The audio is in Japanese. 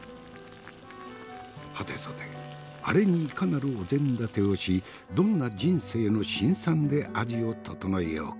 はてさてアレにいかなるお膳立てをしどんな人生の辛酸で味を調えようか。